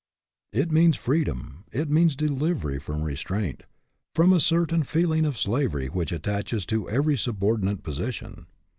It means freedom, it means delivery from restraint, from a certain feel ing of slavery which attaches to every sub ordinate position.